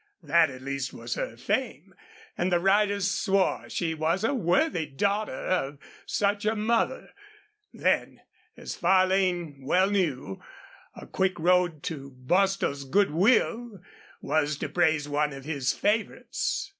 That, at least, was her fame, and the riders swore she was a worthy daughter of such a mother. Then, as Farlane well knew, a quick road to Bostil's good will was to praise one of his favorites.